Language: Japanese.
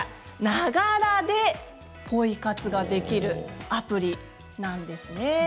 ながらでポイ活ができるアプリなんです。